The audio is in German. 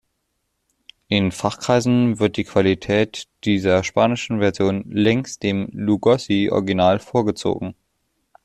In Fachkreisen wird die Qualität dieser spanischen Version längst dem Lugosi-Original vorgezogen.